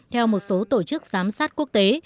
theo một số tổ chức giám sát quốc tế